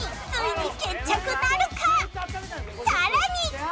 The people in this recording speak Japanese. さらに